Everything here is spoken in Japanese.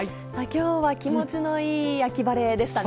きょうは気持ちのいい秋晴れでしたね。